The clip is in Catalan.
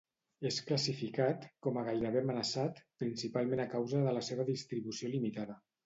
És classificat com a gairebé amenaçat, principalment a causa de la seva distribució limitada.